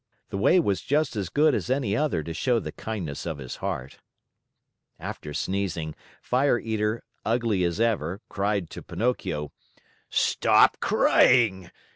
The way was just as good as any other to show the kindness of his heart. After sneezing, Fire Eater, ugly as ever, cried to Pinocchio: "Stop crying!